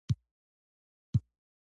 یا دا چې هغه ملا نه وای.